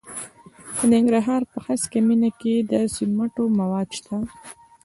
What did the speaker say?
د ننګرهار په هسکه مینه کې د سمنټو مواد شته.